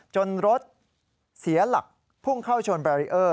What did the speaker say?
รถเสียหลักพุ่งเข้าชนแบรีเออร์